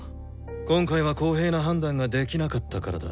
今回は公平な判断ができなかったからだ。